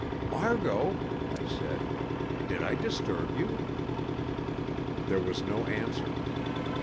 "Margot," I said, "did I disturb you?" There was no answer.